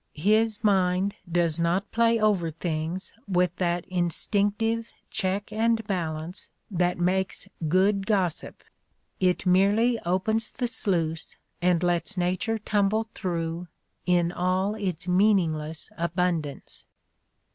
His mind does not play over things with that instinctive check and balance that makes good gossip : it merely opens the sluice and lets nature tumble through, in all its meaningless abundance.